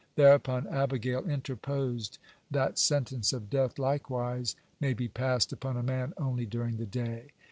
Thereupon Abigail interposed, that sentence of death likewise may be passed upon a man only during the day.